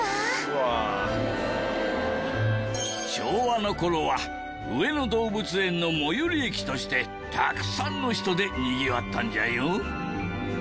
「うわあ」昭和の頃は上野動物園の最寄り駅としてたくさんの人でにぎわったんじゃよ。